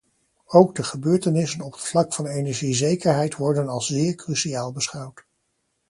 Ook de gebeurtenissen op het vlak van energiezekerheid worden als zeer cruciaal beschouwd.